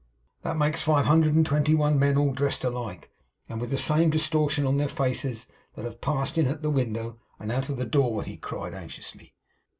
'That makes five hundred and twenty one men, all dressed alike, and with the same distortion on their faces, that have passed in at the window, and out at the door,' he cried, anxiously.